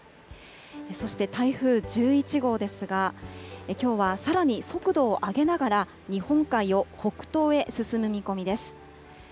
そして台風１１号ですが、きょうはさらに速度を上げながら、日本海を北東へ進む見込みです。